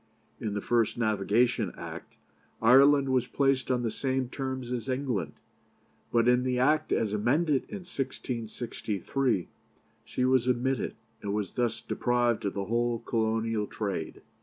In the first Navigation Act, Ireland was placed on the same terms as England; but in the Act as amended in 1663 she was omitted, and was thus deprived of the whole Colonial trade.